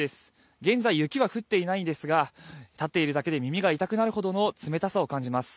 現在、雪は降っていないんですが、立っているだけで耳が痛くなるほどの冷たさを感じます。